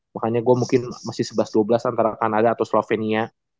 makanya gue mungkin masih sebelas dua belas antara kanada atau slovenia